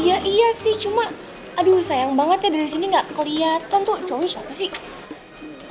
iya iya sih cuma aduh sayang banget ya dari sini gak kelihatan tuh cowoknya siapa sih